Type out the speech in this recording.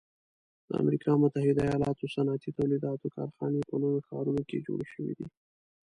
د امریکي متحده ایلاتو صنعتي تولیداتو کارخانې په لویو ښارونو کې جوړې شوي دي.